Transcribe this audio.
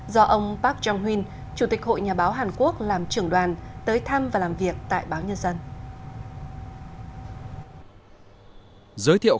do ông park jong un chủ tịch hội nhà báo hàn quốc làm trưởng đoàn tới thăm và làm việc tại báo nhân dân